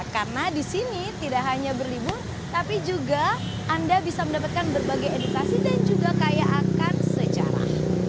karena di sini tidak hanya berlibur tapi juga anda bisa mendapatkan berbagai edukasi dan juga kaya akan sejarah